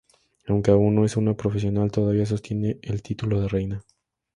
Aunque aún no es una profesional, todavía sostiene el título de Reina.